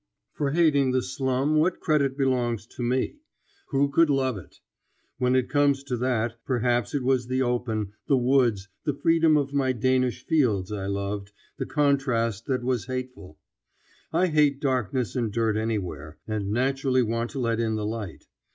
For hating the slum what credit belongs to me? Who could love it? When it comes to that, perhaps it was the open, the woods, the freedom of my Danish fields I loved, the contrast that was hateful. I hate darkness and dirt anywhere, and naturally want to let in the light.